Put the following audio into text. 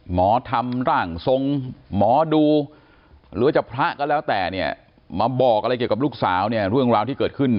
หมอทำร่างทรงหมอดูหรือว่าจะพระก็แล้วแต่เนี่ยมาบอกอะไรเกี่ยวกับลูกสาวเนี่ยเรื่องราวที่เกิดขึ้น